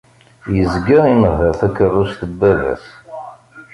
Yezga inehheṛ takeṛṛust n baba-s.